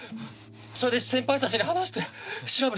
それで先輩たちに話して調べたんです。